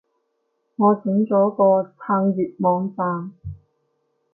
我整咗個撐粵網站